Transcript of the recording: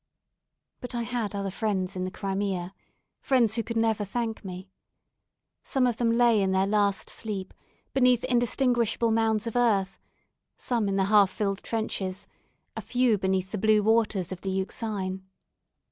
But I had other friends in the Crimea friends who could never thank me. Some of them lay in their last sleep, beneath indistinguishable mounds of earth; some in the half filled trenches, a few beneath the blue waters of the Euxine.